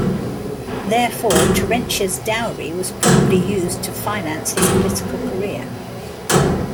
Therefore, Terentia's dowry was probably used to finance his political career.